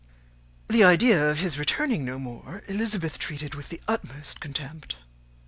The idea of his returning no more Elizabeth treated with the utmost contempt.